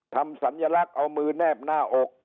สัญลักษณ์เอามือแนบหน้าอก